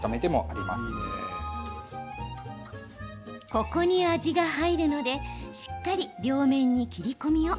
ここに味が入るのでしっかり両面に切り込みを。